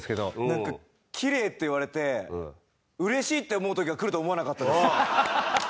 なんか「きれい」って言われて嬉しいって思う時が来るとは思わなかったです。